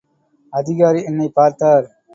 அதிகாரி என்னைப் பார்த்தார்.